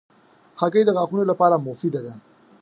هګۍ د غاښونو لپاره مفیده ده.